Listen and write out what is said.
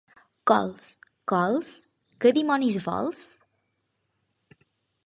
Cols. —Cols? Què dimonis vols?